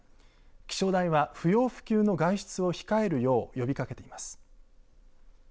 気象台は不要不急の外出を控えるよう呼びかけています。